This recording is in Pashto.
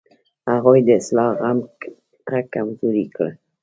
هغوی د اصلاح غږ کمزوری کړ.